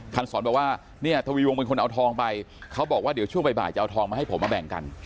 สอนบอกว่าเนี่ยทวีวงเป็นคนเอาทองไปเขาบอกว่าเดี๋ยวช่วงบ่ายจะเอาทองมาให้ผมมาแบ่งกัน